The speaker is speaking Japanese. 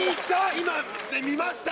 今見ました？